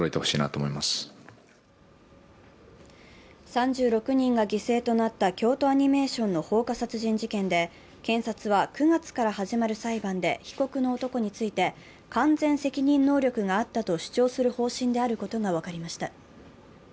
３６人が犠牲となった京都アニメーションの放火殺人事件で、検察は９月から始まる裁判で、被告の男について、完全責任能力があったと主張する方針であることが分かりました。